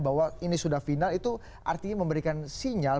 bahwa ini sudah final itu artinya memberikan sinyal